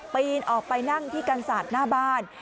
ปีนออกไปนั่งที่กันศาสตร์หน้าบ้าน